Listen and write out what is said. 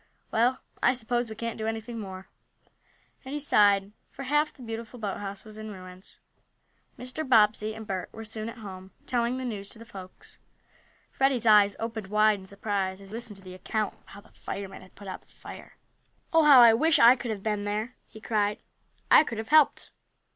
Well, I suppose we can't do anything more," and he sighed, for half the beautiful boathouse was in ruins. Mr. Bobbsey and Bert were soon at home, telling the news to the folks. Freddie's eyes opened wide in surprise as he listened to the account of how the firemen had put out the fire. "Oh, I wish I could have been there!" he cried. "I could have helped."